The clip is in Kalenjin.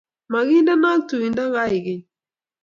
Magindenok tuindo kaigeny